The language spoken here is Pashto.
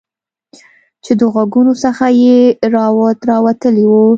چې د غوږونو څخه یې روات راوتلي وو